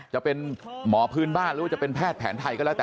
จะเป็นหมอพื้นบ้านหรือว่าจะเป็นแพทย์แผนไทยก็แล้วแต่